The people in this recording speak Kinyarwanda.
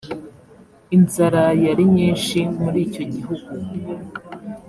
inzara yari nyinshi muri icyo gihugu